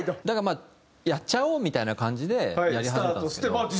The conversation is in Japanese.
だからまあやっちゃおうみたいな感じでやり始めたんですけど。